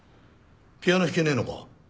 ピアノ弾けねえのか？